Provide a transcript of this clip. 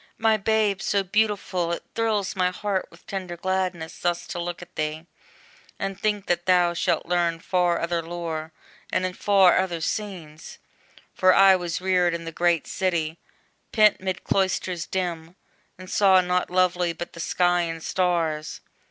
My babe so beautiful! it thrills my heart With tender gladness, thus to look at thee, And think that thou shalt learn far other lore, And in far other scenes! For I was reared In the great city, pent 'mid cloisters dim, And saw nought lovely but the sky and stars.